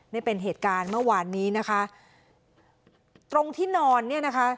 นี่เป็นเหตุการณ์เมื่อวานนี้นะคะตรงที่นอนเนี่ยนะคะ